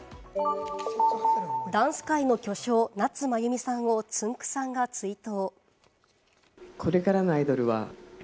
ダンス界の巨匠・夏まゆみさんをつんく♂さんが追悼。